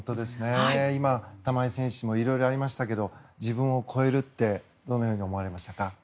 今、玉井選手もいろいろありましたけど自分を超えるってどのように思われましたか？